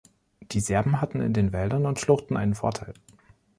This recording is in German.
Die Serben hatten in den Wäldern und Schluchten einen Vorteil.